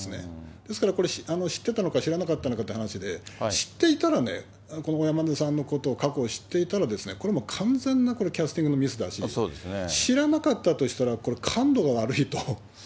ですからこれ、知ってたのか知らなかったのかって話で、知っていたらね、この小山田さんのことを、過去を知っていたら、これもう完全なキャスティングのミスだし、知らなかったとしたら、これ、感度が悪いと。